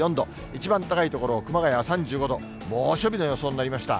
一番高い所、熊谷３５度、猛暑日の予想になりました。